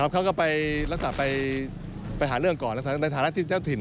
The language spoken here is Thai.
เขาก็ไปรักษาไปหาเรื่องก่อนในฐานะที่เจ้าถิ่น